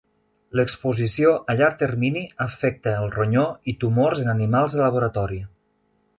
L'exposició a llarg termini afecta el ronyó i tumors en animals de laboratori.